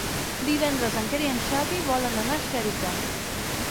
Divendres en Quer i en Xavi volen anar a Xèrica.